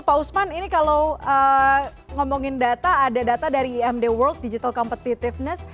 pak usman ini kalau ngomongin data ada data dari imd world digital competitiveness